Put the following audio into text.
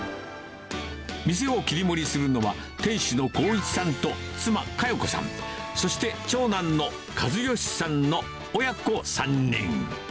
店を切り盛りするのは、店主の光一さんと妻、香代子さん、そして長男の一良さんの親子３人。